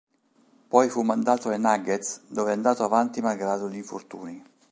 Poi fu mandato ai Nuggets, dove è andato avanti malgrado gli infortuni.